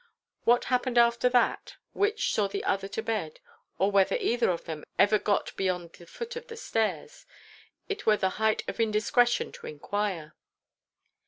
What happened after that, which saw the other to bed, or whether either of them ever got beyond the foot of the stairs, it were the height of indiscretion to enquire.